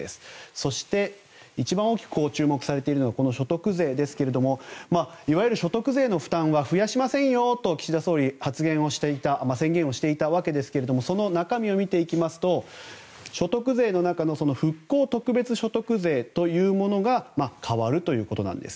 そして、一番大きく注目されているのが所得税ですがいわゆる所得税の負担は増やしませんよと岸田総理は宣言をしていたわけですけれどもその中身を見ていきますと所得税の中の復興特別所得税というものが変わるということなんです。